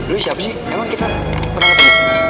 lo siapa sih emang kita pernah